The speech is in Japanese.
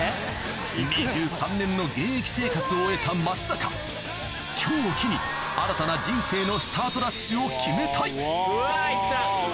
２３年の現役生活を終えた松坂今日を機に新たな人生のスタートダッシュを決めたいうわ行った。